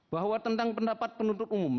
bahwa tentang pendapat penuntut umum